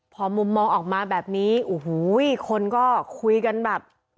พอมุมมองออกมาแบบนี้โอ้โหคนก็คุยกันแบบ